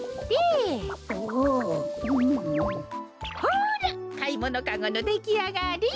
ほらかいものカゴのできあがり！